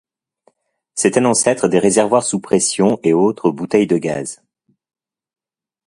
C'est un ancêtre des réservoirs sous pression et autres bouteilles de gaz.